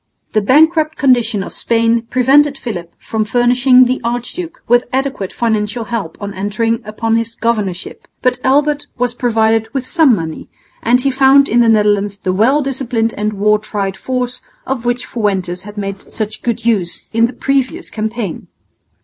The bankrupt condition of Spain prevented Philip from furnishing the archduke with adequate financial help on entering upon his governorship, but Albert was provided with some money, and he found in the Netherlands the well disciplined and war tried force of which Fuentes had made such good use in the previous campaign.